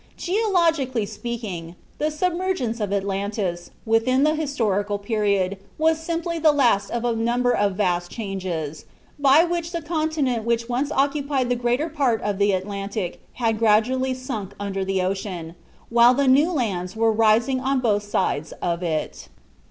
Geologically speaking, the submergence of Atlantis, within the historical period, was simply the last of a number of vast changes, by which the continent which once occupied the greater part of the Atlantic had gradually sunk under the ocean, while the new lands were rising on both sides of it.